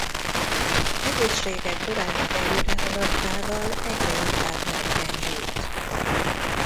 Egészsége korának előrehaladtával egyre inkább meggyengült.